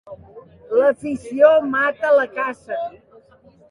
L'afició mata la caça.